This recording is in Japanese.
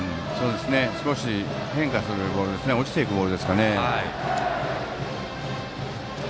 少し変化するボール落ちていくボールですかね。